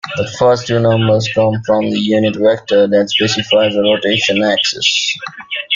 The first two numbers come from the unit vector that specifies a rotation axis.